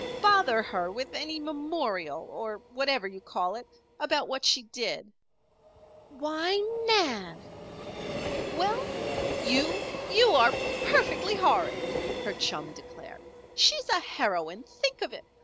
"Bother her with any memorial or whatever you call it about what she did." "Why, Nan!" "Well " "You you are perfectly horrid!" her chum declared. "She's a heroine! Think of it!